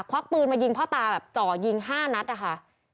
วักปืนมายิงพ่อตาแบบจ่อยิง๕นัดนะคะ